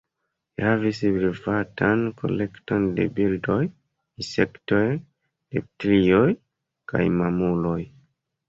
Li havis privatan kolekton de birdoj, insektoj, reptilioj kaj mamuloj.